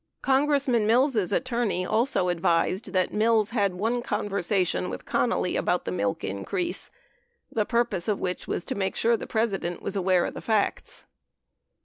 ..." 13 Congressman Mills' attorney also advised that Mills had one conversation with Connally about the milk increase, the purpose of which was to make sure the President was aware of the facts.